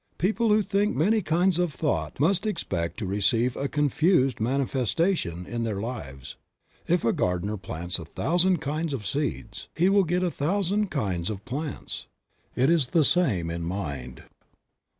People who think many kinds of thought must expect to receive a confused mani festation in their lives. If a gardener plants a thousand kinds of seeds, he will get a thousand kinds of plants; it is the same in mind.